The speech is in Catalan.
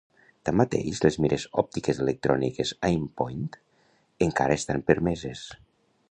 Tanmateix, les mires òptiques electròniques Aimpoint encara estan permeses.